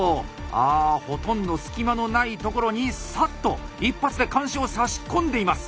あほとんど隙間のないところにサッと一発で鉗子をさし込んでいます！